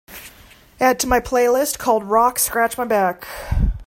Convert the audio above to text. Add to my playlist called rock Scratch My Back